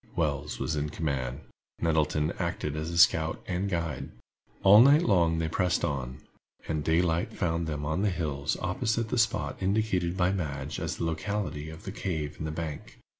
Wells was in command. Nettleton acted as scout and guide. All night long they pressed on, and daylight found them on the hills opposite the spot indicated by Madge as the locality of the cave in the bank.